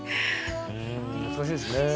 懐かしいですね。